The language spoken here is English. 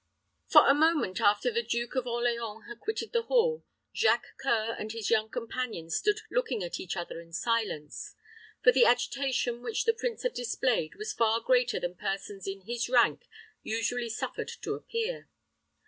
For a moment after the Duke of Orleans had quitted the hall, Jacques C[oe]ur and his young companion stood looking at each other in silence; for the agitation which the prince had displayed was far greater than persons in his rank usually suffered to appear.